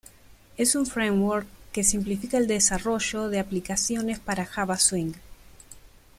Es un Framework que simplifica el desarrollo de aplicaciones para Java Swing.